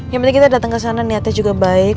yang penting kita datang kesana niatnya juga baik